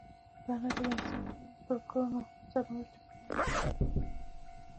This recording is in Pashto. دا نښې د انساني پرګنو سرنوشت یې پر ناورین ټغر کښېنولی.